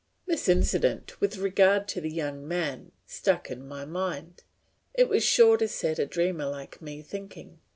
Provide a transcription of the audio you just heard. This incident with regard to the young man stuck in my mind; it was sure to set a dreamer like me thinking.